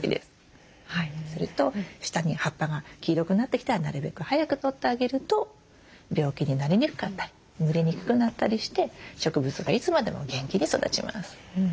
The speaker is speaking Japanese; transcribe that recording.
それと下に葉っぱが黄色くなってきたらなるべく早く取ってあげると病気になりにくかったりぬれにくくなったりして植物がいつまでも元気に育ちます。